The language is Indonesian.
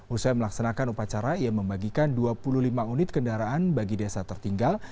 usai melaksanakan upacara ia membagikan dua puluh lima unit kendaraan bagi desa tertinggal